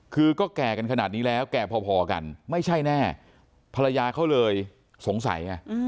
คือก็แก่กันขนาดนี้แล้วแก่พอกันไม่ใช่แน่ภรรยาเขาเลยสงสัยไง